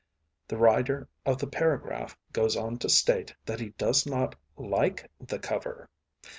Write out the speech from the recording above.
The writer of the paragraph goes on to state that he does not 'like the cover.'